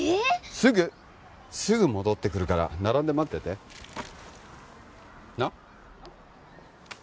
すぐすぐ戻ってくるから並んで待っててなっ？